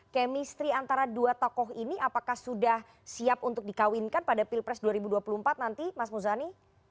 kemistri antara dua tokoh ini apakah sudah siap untuk dikawinkan pada pilpres dua ribu dua puluh empat nanti mas muzani